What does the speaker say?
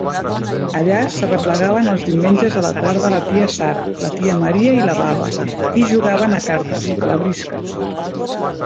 Allà s'arreplegaven els diumenges a la tarda la tia Sara, la tia Maria i la baba, i jugaven a cartes, a la brisca.